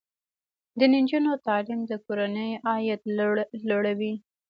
د نجونو تعلیم د کورنۍ عاید لوړوي.